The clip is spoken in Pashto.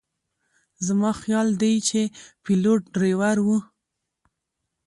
زما خیال دی چې پیلوټ ډریور و.